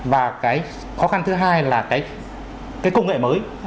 và cái khó khăn thứ hai là cái công nghệ mới